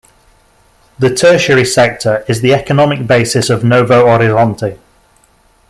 The Tertiary sector is the economic basis of Novo Horizonte.